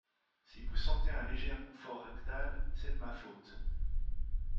Si vous sentez un léger inconfort rectal, c’est de ma faute.